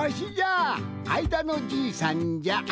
あいだのじいさんじゃ。